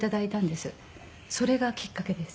それがきっかけです。